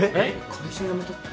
会社辞めたって。